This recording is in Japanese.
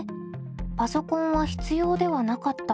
「パソコンは必要ではなかった」